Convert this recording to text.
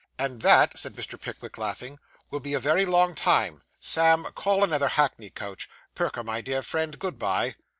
'And that,' said Mr. Pickwick, laughing, 'will be a very long time. Sam, call another hackney coach. Perker, my dear friend, good bye.